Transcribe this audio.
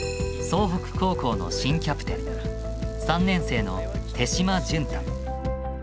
総北高校の新キャプテン３年生の手嶋純太。